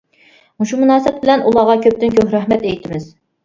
مۇشۇ مۇناسىۋەت بىلەن ئۇلارغا كۆپتىن كۆپ رەھمەت ئېيتىمىز.